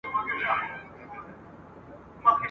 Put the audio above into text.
چرګ چي ځوان سي پر بام ورو ورو ځي !.